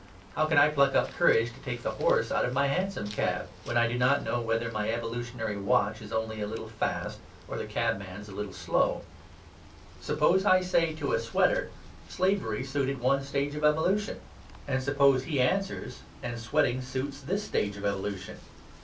How can I pluck up courage to take the horse out of my hansom cab, when I do not know whether my evolutionary watch is only a little fast or the cabman's a little slow? Suppose I say to a sweater, "Slavery suited one stage of evolution." And suppose he answers, "And sweating suits this stage of evolution."